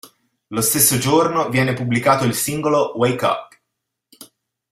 Lo stesso giorno, viene pubblicato il singolo "Wake Up".